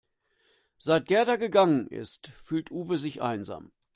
Seit Gerda gegangen ist, fühlt Uwe sich einsam.